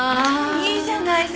いいじゃない先生。